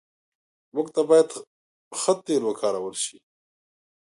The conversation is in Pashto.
موټر ته باید ښه تیلو وکارول شي.